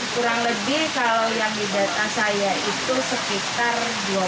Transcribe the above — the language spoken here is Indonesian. kurang lebih kalau yang di data saya itu sekitar dua puluh